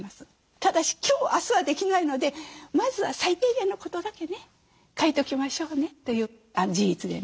ただし今日明日はできないのでまずは最低限のことだけね書いときましょうね自筆でね。